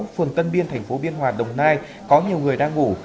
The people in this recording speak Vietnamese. phường tân biên thành phố biên hòa đồng nai có nhiều người đang ngủ